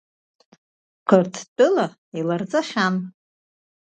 Қырҭтәыла иаларҵахьан.